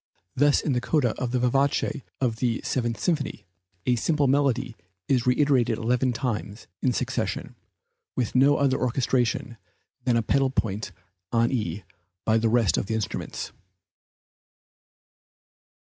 Thus in the coda of the vivace of the Seventh Symphony, a simple melody is reiterated eleven times in succession, with no other orchestration than the pedal point on E by the rest of the instruments.